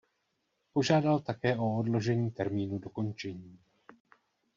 Požádal také o odložení termínu dokončení.